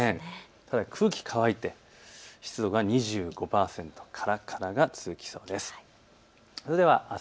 ただ空気、乾いて湿度が２５％からからが続きそうです。